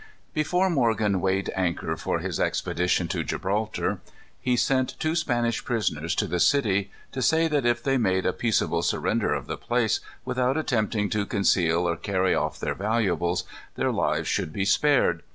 Before Morgan weighed anchor for his expedition to Gibraltar, he sent two Spanish prisoners to the city to say that if they made a peaceable surrender of the place, without attempting to conceal or carry off their valuables, their lives should be spared.